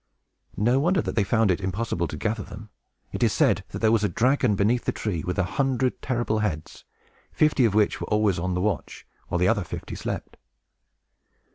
No wonder that they found it impossible to gather them! It is said that there was a dragon beneath the tree, with a hundred terrible heads, fifty of which were always on the watch, while the other fifty slept.